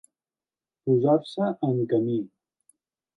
Posar-se en camí.